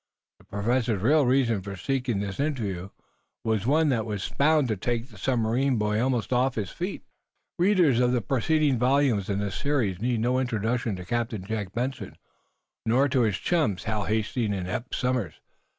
The Professor's real reason for seeking this interview was one that was bound to take the submarine boy almost off his feet. Readers of the preceding volumes in this series need no introduction to Captain Jack Benson, nor to his chums, Hal Hastings and Eph Somers.